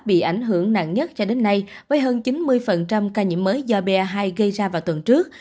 bị ảnh hưởng nặng nhất cho đến nay với hơn chín mươi ca nhiễm mới do ba hai gây ra vào tuần trước